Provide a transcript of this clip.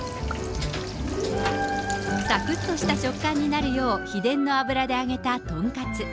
さくっとした食感になるよう、秘伝の油で揚げた豚カツ。